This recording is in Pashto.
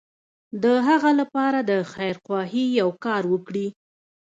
د هغه لپاره د خيرخواهي يو کار وکړي.